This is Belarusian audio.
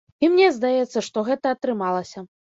І мне здаецца, што гэта атрымалася.